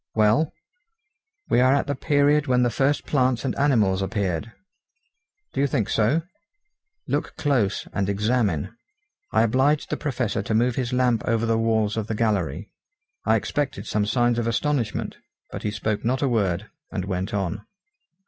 "Well?" "We are at the period when the first plants and animals appeared." "Do you think so?" "Look close, and examine." I obliged the Professor to move his lamp over the walls of the gallery. I expected some signs of astonishment; but he spoke not a word, and went on.